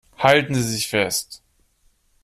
Halten Sie sich fest!